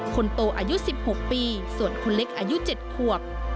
คนโตอายุ๑๖ปีส่วนคนเล็กอายุ๗ขวบ